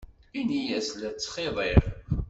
Ini-as la ttxiḍiɣ.